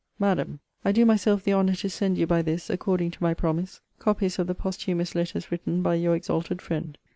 MADAM, I do myself the honour to send you by this, according to my promise,* copies of the posthumous letters written by your exalted friend.